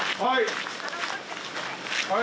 はい！